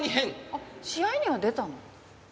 あっ試合には出たの？